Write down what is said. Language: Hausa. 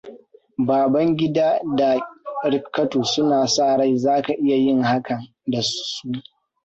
Babangidaaa da Rifkatu suna sa rai za ka iya yin hakan da su.